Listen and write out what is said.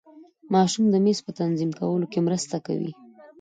ماشوم د میز په تنظیم کولو کې مرسته کوي.